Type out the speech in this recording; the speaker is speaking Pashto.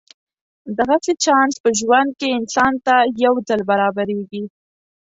دغسې چانس په ژوند کې انسان ته یو ځل برابرېږي.